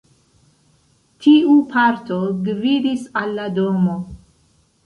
Tiu parto gvidis al la domo.